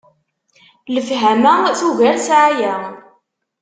Lefhama tugar ssɛaya.